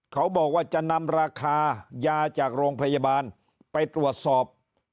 เขาบอกว่าจะนำราคายาจากโรงพยาบาลไปตรวจสอบ